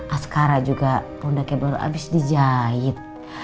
askara juga produknya baru habis dijahit